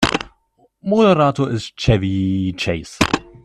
Moderator ist Chevy Chase.